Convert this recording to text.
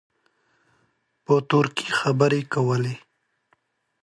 په ترکي خبرې کولې.